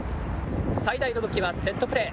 最大の武器はセットプレー。